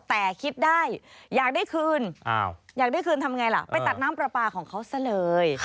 แต่คิดได้อยากได้คืนอยากได้คืนทำไงล่ะไปตัดน้ำปลาปลาของเขาซะเลย